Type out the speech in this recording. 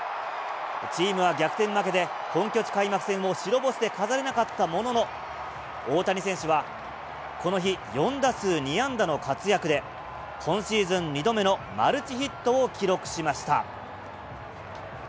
チームは逆転負けで、本拠地開幕戦を白星で飾れなかったものの、大谷選手は、この日、４打数２安打の活躍で、今シーズン２度目のマルチヒットを記録しました。